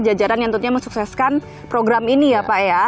jajaran yang tentunya mensukseskan program ini ya pak ya